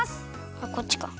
あっこっちか。